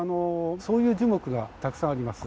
そういう樹木がたくさんあります。